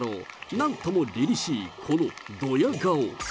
なんともりりしいこのどや顔。